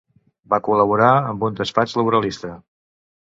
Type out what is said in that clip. Va col·laborar amb un despatx laboralista.